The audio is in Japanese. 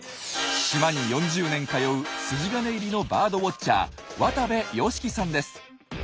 島に４０年通う筋金入りのバードウォッチャー渡部良樹さんです。